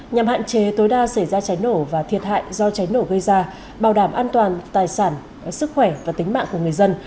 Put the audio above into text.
nhằm hạn chế tối đa xảy ra cháy nổ và thiệt hại do cháy nổ gây ra bảo đảm an toàn tài sản sức khỏe và tính mạng của người dân